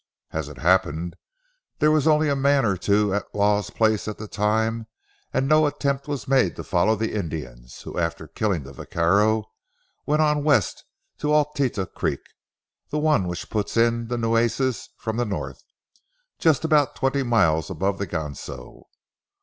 As it happened, there was only a man or two at Waugh's place at the time, and no attempt was made to follow the Indians, who, after killing the vaquero, went on west to Altita Creek—the one which puts into the Nueces from the north, just about twenty miles above the Ganso.